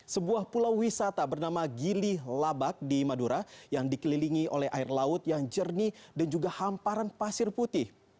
sebuah pulau wisata bernama gili labak di madura yang dikelilingi oleh air laut yang jernih dan juga hamparan pasir putih